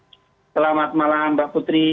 selamat malam mbak putri